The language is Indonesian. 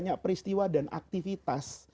banyak peristiwa dan aktivitas